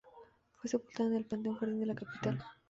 Fue sepultada en el Panteón Jardín de la capital.